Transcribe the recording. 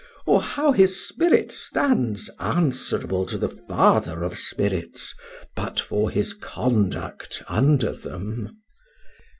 or how his spirit stands answerable to the Father of spirits but for his conduct under them?